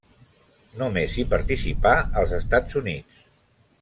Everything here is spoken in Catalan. Només hi participà els Estats Units.